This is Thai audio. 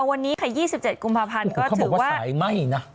วันนี้ค่ะ๒๗กุมภาพันธุ์ก็ถือว่าอุ๊ยเขาบอกว่าใส่ไม่นะ